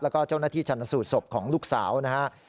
แล้วก็เจ้าหน้าที่ชันสูตรศพของลูกสาวนะครับ